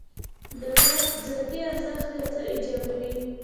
د فرد ذاتي ارزښت یو څه ایجابوي.